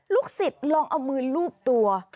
ลูกศิษย์ลองเอามือลูบตัว